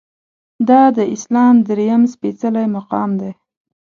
دا د اسلام درېیم سپیڅلی مقام دی.